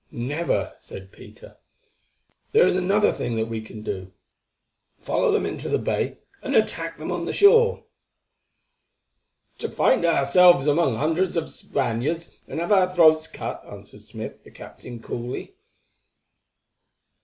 "Never," said Peter. "There is another thing that we can do—follow them into the bay, and attack them there on shore." "To find ourselves among hundreds of the Spaniards, and have our throats cut," answered Smith, the captain, coolly.